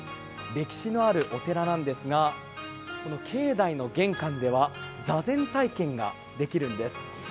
歴史のあるお寺なんですが、境内の玄関では座禅体験ができるんです。